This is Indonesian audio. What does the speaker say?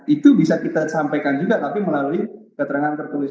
itu bisa kita sampaikan juga tapi melalui keterangan tertulis